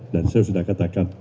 dan saya sudah katakan